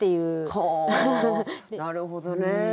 はあなるほどね。